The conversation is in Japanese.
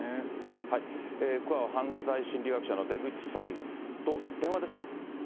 ここからは犯罪心理学者の出口さんと電話ですか？